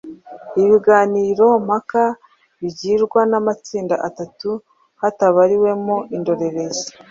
Ibiganiro mpaka bigirwa n’amatsinda atatu hatabariwemo indorerezi.